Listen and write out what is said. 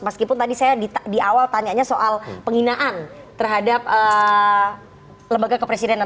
meskipun tadi saya di awal tanyanya soal penghinaan terhadap lembaga kepresidenan